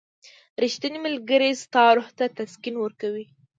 • ریښتینی ملګری ستا روح ته تسکین ورکوي.